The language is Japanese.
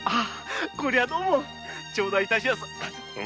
こりゃどうもちょうだい致します。